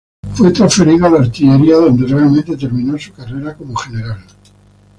Fue transferido a la artillería donde realmente terminó su carrera como general.